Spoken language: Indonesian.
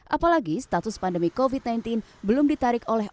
apalagi status pandemi covid sembilan belas belum ditarik oleh